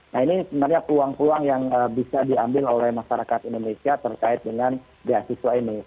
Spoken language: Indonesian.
makanya peluang peluang yang bisa diambil oleh masyarakat indonesia terkait dengan beasiswa ini